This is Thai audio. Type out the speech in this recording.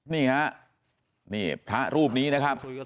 นี่ฮะนี่พระรูปนี้นะครับ